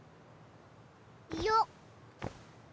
よっ。